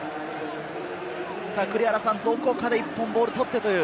どこかで１本、ボールを取ってという。